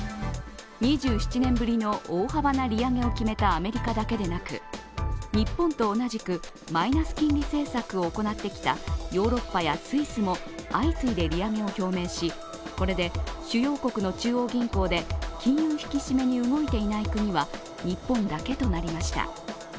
２７年ぶりの大幅な利上げを決めたアメリカだけでなく日本と同じく、マイナス金利政策を行ってきたヨーロッパやスイスも相次いで利上げを表明しこれで主要国の中央銀行で金融引き締めに動いていない国は日本だけとなりました。